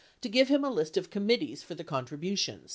895 to give him a list of committees for the contribution.